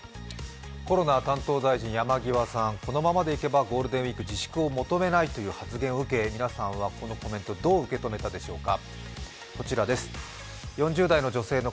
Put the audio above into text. コロナ担当大臣山際さん、このままでいけばゴールデンウイーク、自粛を求めないという発言を受け皆さんは、このコメントどう受け止めたでしょうか。